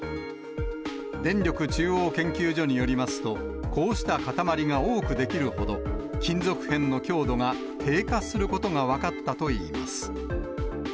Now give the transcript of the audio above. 電力中央研究所によりますと、こうした塊が多く出来るほど、金属片の強度が低下することが分かったといいます。